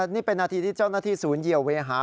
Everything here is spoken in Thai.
นี่เป็นนาทีที่เจ้าหน้าที่ศูนย์เหยียวเวหา